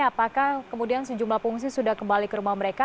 apakah kemudian sejumlah pengungsi sudah kembali ke rumah mereka